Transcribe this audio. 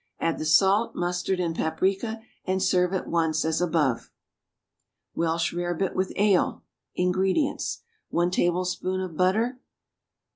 Add the salt, mustard and paprica, and serve at once as above. =Welsh Rarebit with Ale.= INGREDIENTS. 1 tablespoonful of butter.